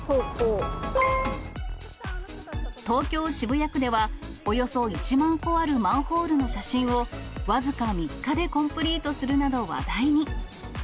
東京・渋谷区では、およそ１万個あるマンホールの写真を、僅か３日でコンプリートするなど話題に。